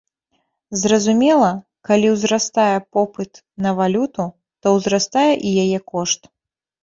Зразумела, калі ўзрастае попыт на валюту, то ўзрастае і яе кошт.